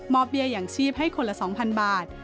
เบี้ยอย่างชีพให้คนละ๒๐๐บาท